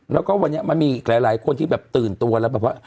แล้วก็วันนี้มันมีอีกหลายคนที่แบบตื่นตัวแล้วแบบว่า